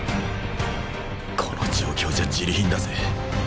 この状況じゃジリ貧だぜ。